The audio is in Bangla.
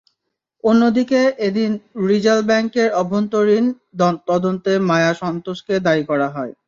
অন্যদিকে এদিন রিজাল ব্যাংকের অভ্যন্তরীণ তদন্তে মায়া সান্তোসকে দায়ী করা হয়।